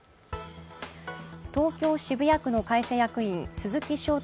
東京・渋谷区の会社員、鈴木翔太